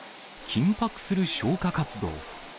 緊迫する消火活動。